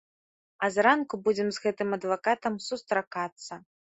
А зранку будзем з гэтым адвакатам сустракацца.